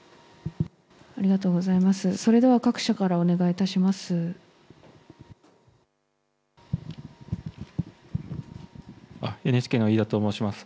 それでは各社からお願いいたします。